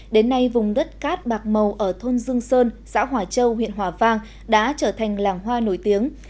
đến nay vùng đất cát bạc màu ở thôn dương sơn xã hòa châu huyện hòa vang đã trở thành làng hoa nổi tiếng